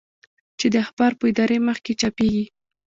چې د اخبار په اداري مخ کې چاپېږي.